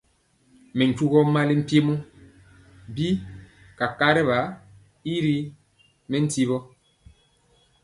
Mɛ tyugɔ mali mpiemɔ bi kakariwa y ri mɛntiwɔ.